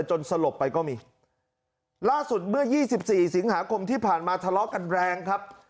สลบไปก็มีล่าสุดเมื่อยี่สิบสี่สิงหาคมที่ผ่านมาทะเลาะกันแรงครับ